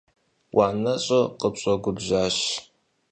Унафэщӏыр къытщӀэгубжьащ.